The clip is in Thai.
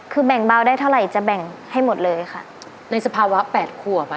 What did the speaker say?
คือแบ่งเบาได้เท่าไหร่จะแบ่งให้หมดเลยค่ะในสภาวะแปดขวบอ่ะ